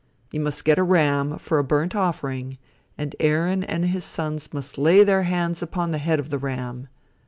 You must get a ram for a burnt offering, and Aaron and his sons must lay their hands upon the head of the ram.